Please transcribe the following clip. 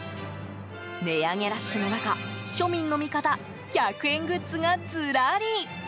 値上げラッシュの中庶民の味方、１００円グッズがずらり。